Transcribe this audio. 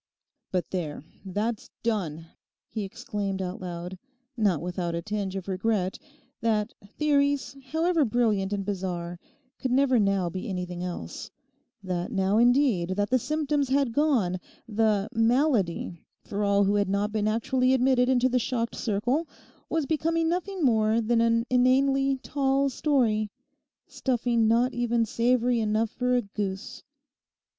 'But there, that's done!' he exclaimed out loud, not without a tinge of regret that theories, however brilliant and bizarre, could never now be anything else—that now indeed that the symptoms had gone, the 'malady,' for all who had not been actually admitted into the shocked circle, was become nothing more than an inanely 'tall' story; stuffing not even savoury enough for a goose.